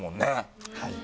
はい。